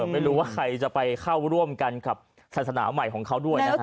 ไม่รู้ว่าใครจะไปเข้าร่วมกันกับศาสนาใหม่ของเขาด้วยนะฮะ